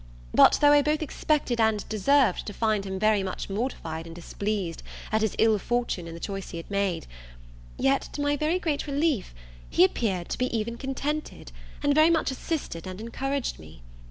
But, though I both expected and deserved to find him very much mortified and displeased at his ill fortune in the choice he had made; yet, to my very great relief, he appeared to be even contented, and very much assisted and encouraged me.